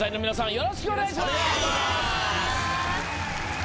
よろしくお願いします。